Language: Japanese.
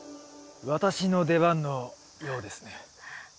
私の出番のようですね。